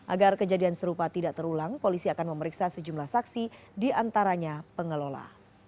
agar kejadian serupa tidak terulang polisi akan memeriksa sejumlah saksi diantaranya pengelola